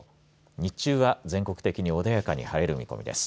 日中は全国的に穏やかに晴れる見込みです。